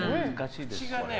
口がね